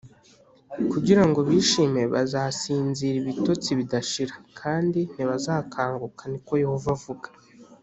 Kugira ngo bishime bazasinzira ibitotsi bidashira kandi ntibazakanguka ni ko Yehova avuga